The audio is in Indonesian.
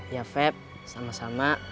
ya feb sama sama